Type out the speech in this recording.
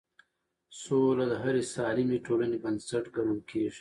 سوله د هرې سالمې ټولنې بنسټ ګڼل کېږي